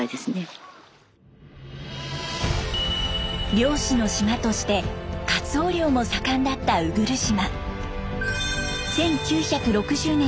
漁師の島としてカツオ漁も盛んだった鵜来島。